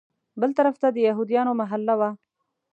بل طرف ته د یهودیانو محله وه.